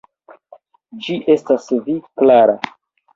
Ĝi estas vi, Klaro!